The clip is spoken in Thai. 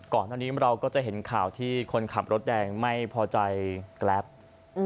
ก่อนหน้านี้เราก็จะเห็นข่าวที่คนขับรถแดงไม่พอใจแกรปอืม